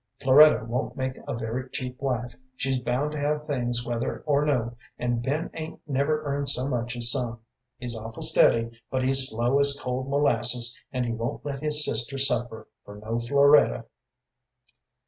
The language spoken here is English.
Floretta won't make a very cheap wife. She's bound to have things whether or no, and Ben 'ain't never earned so much as some. He's awful steady, but he's slow as cold molasses, and he won't let his sister suffer for no Floretta."